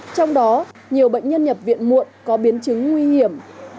trong đó nhiều bệnh nhân nhập viện muộn có biến chứng nguy hiểm